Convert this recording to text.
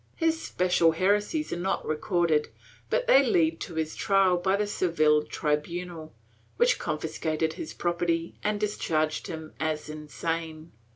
His special heresies are not recorded, but they led to his trial by the Seville tribunal, which confiscated his property and discharged him as insane.